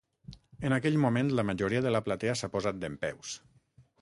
En aquell moment, la majoria de la platea s’ha posat dempeus.